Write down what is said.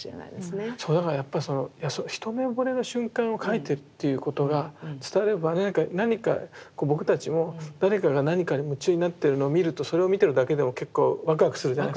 そうだからやっぱりその一目ぼれの瞬間を描いてるっていうことが伝われば何か僕たちも誰かが何かに夢中になってるのを見るとそれを見てるだけでも結構わくわくするじゃないですか。